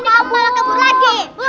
ini kabur lagi